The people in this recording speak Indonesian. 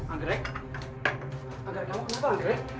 anggret kamu kenapa